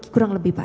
kurang lebih pak